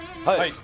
はい。